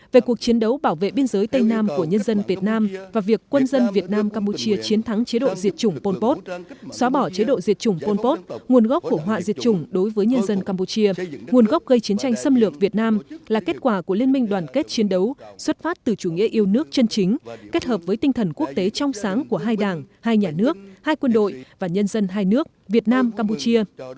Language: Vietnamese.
về cuộc chiến đấu bảo vệ biên giới tây nam của nhân dân việt nam và việc quân dân việt nam campuchia chiến thắng chế độ diệt chủng pol pot xóa bỏ chế độ diệt chủng pol pot nguồn gốc của họa diệt chủng đối với nhân dân campuchia nguồn gốc gây chiến tranh xâm lược việt nam là kết quả của liên minh đoàn kết chiến đấu xuất phát từ chủ nghĩa yêu nước chân chính kết hợp với tinh thần quốc tế trong sáng của hai đảng hai nhà nước hai quân đội và nhân dân hai nước việt nam campuchia